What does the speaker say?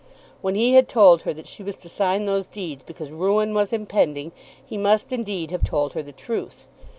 When he had told her that she was to sign those deeds because ruin was impending, he must indeed have told her the truth.